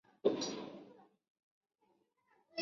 图尔库城堡是位于芬兰城市图尔库的一座中世纪建筑。